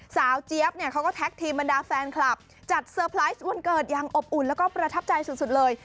เจี๊ยบเนี่ยเขาก็แท็กทีมบรรดาแฟนคลับจัดเตอร์ไพรส์วันเกิดอย่างอบอุ่นแล้วก็ประทับใจสุดเลย